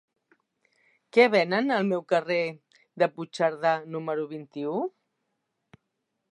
Què venen al carrer de Puigcerdà número vint-i-u?